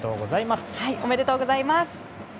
おめでとうございます。